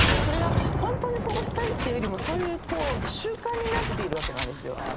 それがホントにそうしたいってよりもそういう習慣になっているわけなんですよ。